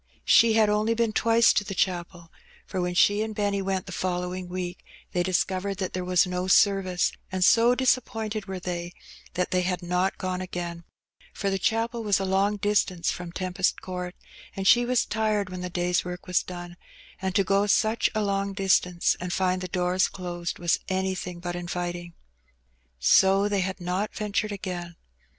She had only been twice to the ohapel^ for when she and Benny went the following week they dis covered that there was no service^ and so disappointed were they that they had not gone again; for the chapel was a long distance from Tempest Court, and she was tired when the day's work was done, and to go such a long distance and find the doors closed was anything but inviting. So they had not ventured again.